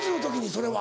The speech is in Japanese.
それは。